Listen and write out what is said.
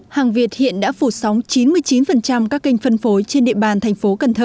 hàng việt hiện đã phủ sóng chín mươi chín các kênh phân phối trên địa bàn thành phố cần thơ